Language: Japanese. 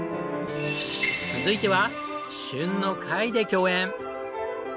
続いては旬の貝で競演！